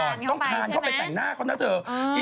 ต้องคานเข้าไปใช่ไหมต้องคานเข้าไปแต่งหน้าก่อนนะเถอะอ๋อ